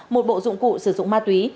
một bộ dụng cụ sử dụng ma túy